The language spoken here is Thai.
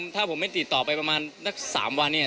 ถ้าผมไม่ติดต่อไปประมาณนัก๓วันเนี่ย